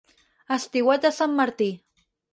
Estiuet de Sant Martí.